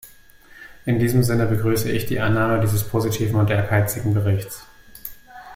In diesem Sinne begrüße ich die Annahme dieses positiven und ehrgeizigen Berichts.